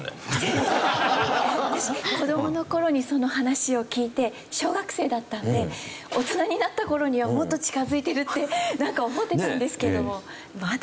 私子どもの頃にその話を聞いて小学生だったんで大人になった頃にはもっと近付いてるってなんか思ってたんですけれどもまだまだ。